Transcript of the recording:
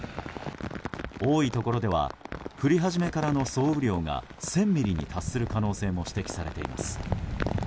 多いところでは降り始めからの総雨量が１０００ミリに達する可能性も指摘されています。